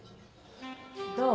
どう？